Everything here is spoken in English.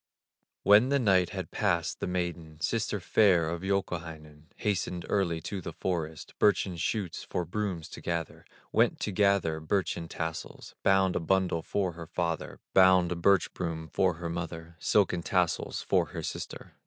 When the night had passed, the maiden, Sister fair of Youkahainen, Hastened early to the forest, Birchen shoots for brooms to gather, Went to gather birchen tassels; Bound a bundle for her father, Bound a birch broom for her mother, Silken tassels for her sister.